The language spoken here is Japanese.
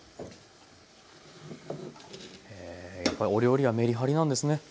へえやっぱりお料理はめりはりなんですね。